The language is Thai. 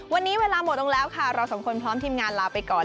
วันนี้เวลาหมดลงแล้วค่ะเราสองคนพร้อมทีมงานลาไปก่อน